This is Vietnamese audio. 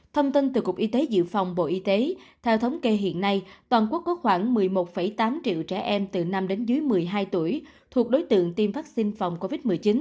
thông tin từ cục y tế dự phòng bộ y tế theo thống kê hiện nay toàn quốc có khoảng một mươi một tám triệu trẻ em từ năm đến dưới một mươi hai tuổi thuộc đối tượng tiêm vaccine phòng covid một mươi chín